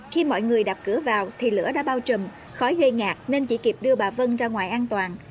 khi mọi người đạp cửa vào thì lửa đã bao trùm khói gây ngạc nên chỉ kịp đưa bà vân ra ngoài an toàn